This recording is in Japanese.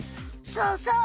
そうそう。